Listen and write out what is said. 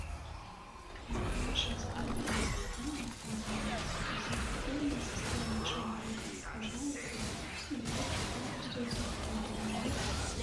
Як і іншыя складаныя сістэмы органаў, рэпрадуктыўная сістэма чалавека паражаецца вялікай колькасцю захворванняў.